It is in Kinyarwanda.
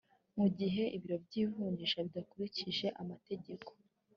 mu gihe ibiro by’ivunjisha bidakurikije amategeko